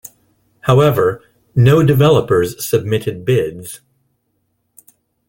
However, no developers submitted bids.